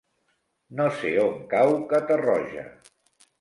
No sé on cau Catarroja.